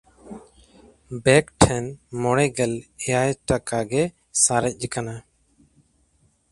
ᱵᱮᱠ ᱴᱷᱮᱱ ᱢᱚᱬᱮᱜᱮᱞ ᱮᱭᱟᱭ ᱴᱟᱠᱟ ᱜᱮ ᱥᱟᱨᱮᱡ ᱠᱟᱱᱟ᱾